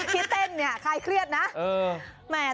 คิดเต้นเนี่ยคล้ายเครียดนะเออ